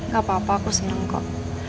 gak apa apa aku seneng kok